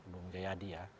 bung jayadi ya